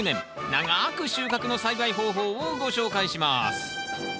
長く収穫！」の栽培方法をご紹介します。